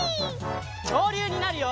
きょうりゅうになるよ！